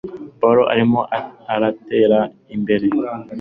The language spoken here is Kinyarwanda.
Pawulo arimo aratera imbere